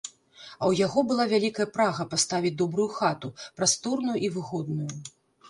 А ў яго была вялікая прага паставіць добрую хату, прасторную і выгодную.